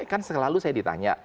kan selalu saya ditanya